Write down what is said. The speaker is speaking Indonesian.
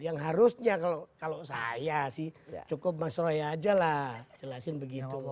yang harusnya kalau saya sih cukup mas roy aja lah jelasin begitu